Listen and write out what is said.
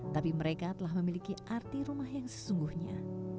tapi mereka telah memiliki arti rumah yang sesungguhnya